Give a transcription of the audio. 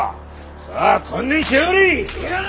さあ観念しやがれ！